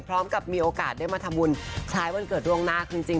มีโอกาสได้มาทำบุญคล้ายวันเกิดล่วงหน้าคือจริง